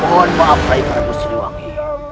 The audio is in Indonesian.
mohon maaf raih prabu siliwangi